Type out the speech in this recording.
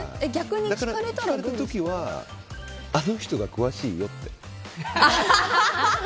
聞かれた時はあの人が詳しいよって。